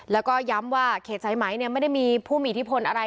แล้วก็ย้ำว่าเขตสายไหมไม่ได้มีผู้มีอิทธิพลอะไร